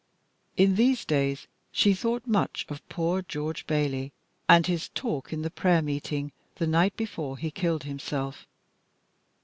In these days she thought much of poor George Bayley, and his talk in the prayer meeting the night before he killed himself.